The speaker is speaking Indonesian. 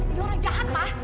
ini orang jahat pak